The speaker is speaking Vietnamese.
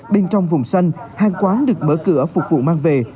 bên trong vùng xanh hàng quán được mở cửa phục vụ mang về